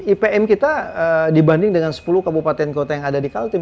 ipm kita dibanding dengan sepuluh kabupaten kota yang ada di kaltim